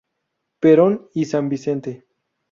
Perón y San Vicente.